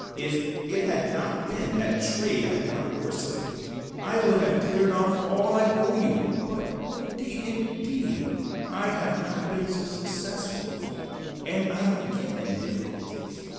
If it had not been that trade has got worse of late, I would have cleared off all I owe you, but indeed, indeed I have not been so successful of late, and I'm again in difficulties.